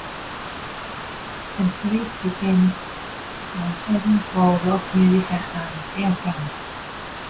The Strip became a haven for rock musicians and their fans.